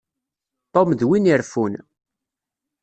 Tom d win ireffun.